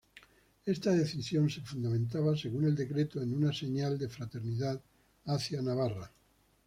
Esta decisión se fundamentaba según el decreto "en una señal de fraternidad hacia Navarra".